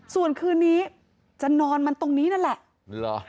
ส่วนคืนนี้จะนอนมันตรงนี้นั่นแหละ